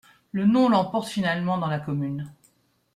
Le non l'emporte finalement dans la commune.